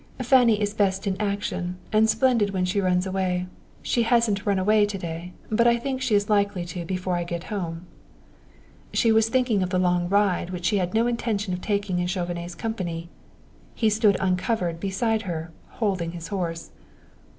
"Fanny is best in action, and splendid when she runs away. She hasn't run away to day, but I think she is likely to before I get home." She was thinking of the long ride which she had no intention of taking in Chauvenet's company. He stood uncovered beside her, holding his horse.